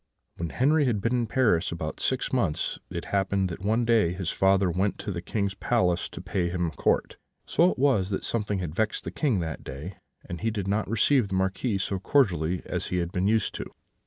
"When Henri had been in Paris about six months, it happened that one day his father went to the King's palace to pay his court: so it was, that something had vexed the King that day, and he did not receive the Marquis so cordially as he had been used to do.